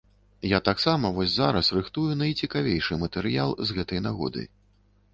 Я таксама вось зараз рыхтую найцікавейшы матэрыял з гэтай нагоды.